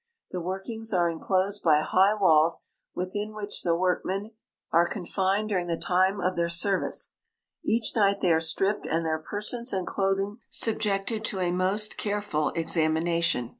The workings are inclosed by high walls, within which the workmen are confined during the time of their service. Each night they are stripi)ed and their persons and clothing subjected to a most careful examination.